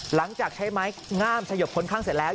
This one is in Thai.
หลังจากใช้ไม้งามสยบคนข้างเสร็จแล้ว